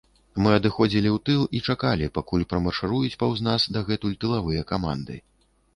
Мы адыходзілі ў тыл і чакалі, пакуль прамаршыруюць паўз нас дагэтуль тылавыя каманды.